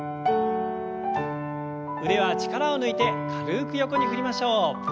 腕は力を抜いて軽く横に振りましょう。